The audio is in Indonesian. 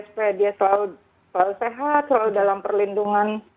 supaya dia selalu sehat selalu dalam perlindungan